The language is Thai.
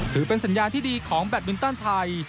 ถือเป็นสัญญาณที่ดีของแบตมินตันไทย